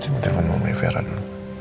saya mau telepon mama vera dulu